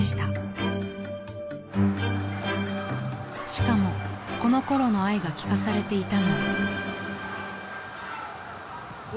［しかもこの頃のあいが聞かされていたのは］